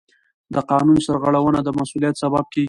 د قانون سرغړونه د مسؤلیت سبب کېږي.